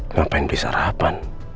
ngapain beli sarapan